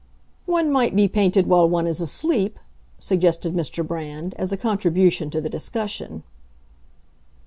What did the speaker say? "One might be painted while one is asleep," suggested Mr. Brand, as a contribution to the discussion.